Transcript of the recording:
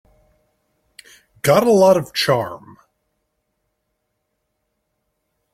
Got a lot of charm.